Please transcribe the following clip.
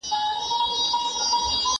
جوړوونکي یې پر خپل کار باور لري.